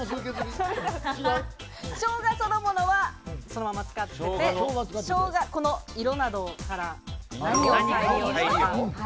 生姜そのものは、そのまま使ってて、この色などから、何を再利用したものか？